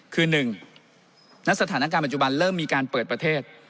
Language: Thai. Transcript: คือ๑ณสถานการณ์ปัจจุบันเริ่มมีการเปิดประเทศ